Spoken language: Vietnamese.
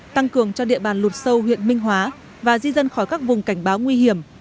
tăng cường cho địa bàn lụt sâu huyện minh hóa và di dân khỏi các vùng cảnh báo nguy hiểm